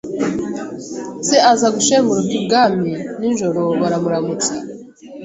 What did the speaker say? Se aza gushenguruka ibwami nijoro baramuramutsa,